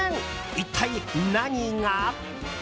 一体何が？